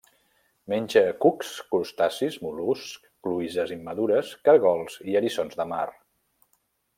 Menja cucs, crustacis, mol·luscs, cloïsses immadures, caragols i eriçons de mar.